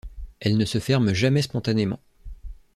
Elles ne se ferment jamais spontanément.